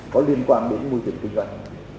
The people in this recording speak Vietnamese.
có liên quan đến môi trường kinh doanh